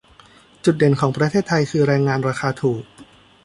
จุดเด่นของประเทศไทยคือแรงงานราคาถูก